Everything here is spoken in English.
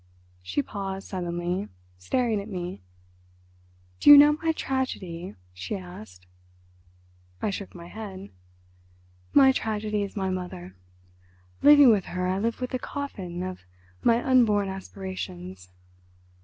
She paused suddenly, staring at me. "Do you know my tragedy?" she asked. I shook my head. "My tragedy is my mother. Living with her I live with the coffin of my unborn aspirations.